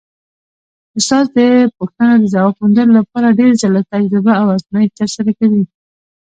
انسان د پوښتنو د ځواب موندلو لپاره ډېر ځله تجربه او ازمېښت ترسره کوي.